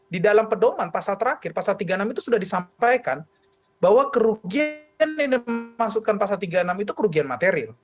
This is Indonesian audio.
di dalam pedoman pasal terakhir pasal tiga puluh enam itu sudah disampaikan bahwa kerugian yang dimaksudkan pasal tiga puluh enam itu kerugian material